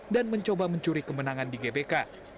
dan mencoba mencuri kemenangan di gbk